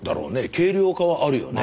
軽量化はあるよね。